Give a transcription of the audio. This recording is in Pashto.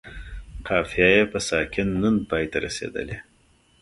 قافیه یې په ساکن نون پای ته رسیدلې.